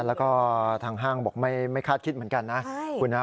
แล้วก็ทางห้างบอกไม่คาดคิดเหมือนกันนะ